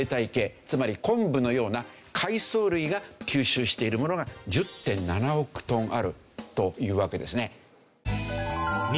つまり昆布のような海藻類が吸収しているものが１０．７億トンあるというわけですね。